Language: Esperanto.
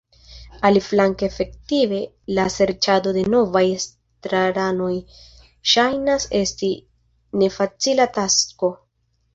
Aliflanke efektive la serĉado de novaj estraranoj ŝajnas esti nefacila tasko.